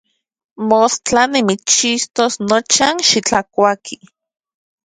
Mostla nimitschixtos nocha, xitlakuaki.